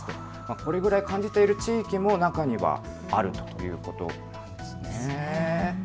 これぐらい感じている地域も中にはあるということなんです。